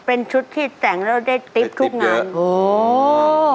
เป็นชุดที่แต่งแล้วได้ติ๊บทุกงานโอ้ได้ติ๊บเยอะ